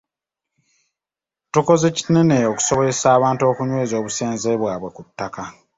Tukoze kinene okusobozesa abantu okunyweza obusenze bwabwe ku ttaka.